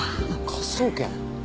科捜研。